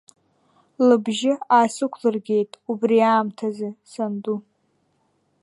Лыбжьы аасықәлыргеит убри аамҭазы санду!